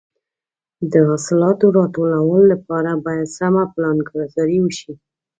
د حاصلاتو د راټولولو لپاره باید سمه پلانګذاري وشي.